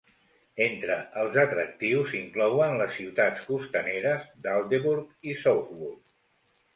Entre els atractius, s'inclouen les ciutats costaneres d'Aldeburgh i Southwold.